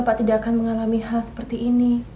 bapak tidak akan mengalami hal seperti ini